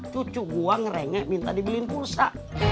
cucu gue ngerengek minta dibeliin kursa